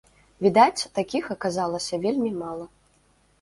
Відаць, такіх аказалася вельмі мала.